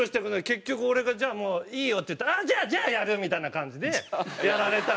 結局俺が「じゃあもういいよ」って言って「あっじゃあやる！」みたいな感じでやられたんですよ。